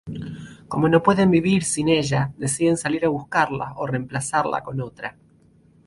Como no pueden vivir sin ella, deciden salir a buscarla o reemplazarla con otra.